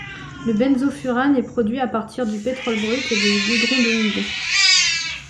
Le benzofurane est produit à partir du pétrole brut et du goudron de houille.